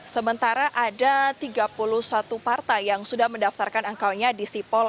sementara ada tiga puluh satu partai yang sudah mendaftarkan angkanya di sipol